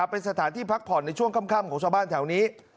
เป็นสถานที่พักผ่อนในช่วงค่ำของชาวบ้านแถวนี้